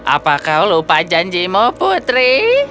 apa kau lupa janjimu putri